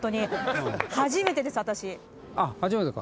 あっ初めてか。